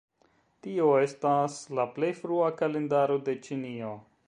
Tio estas la plej frua kalendaro de Ĉinio.